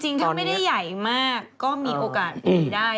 จริงถ้าไม่ได้ใหญ่มากก็มีโอกาสดีได้